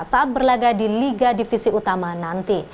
saat berlaga di liga divisi utama nanti